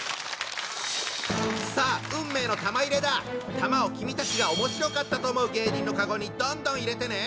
玉を君たちがおもしろかったと思う芸人のカゴにどんどん入れてね！